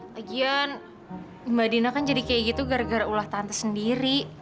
lagian mbak dina kan jadi kayak gitu gara gara ulah tante sendiri